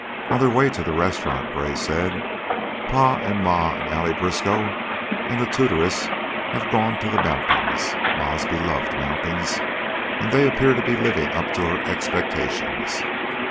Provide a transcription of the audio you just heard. On their way to the restaurant, Gray said: "Pa and Ma and Allie Briskow and the tutoress have gone to the mountains Ma's beloved mountains and they appear to be living up to her expectations.